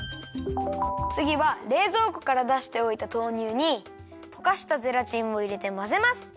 つぎはれいぞうこからだしておいた豆乳にとかしたゼラチンをいれてまぜます。